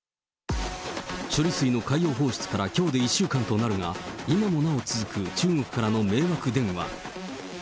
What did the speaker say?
処理水の海洋放出からきょうで１週間となるが、今もなお続く、中国からの迷惑電話。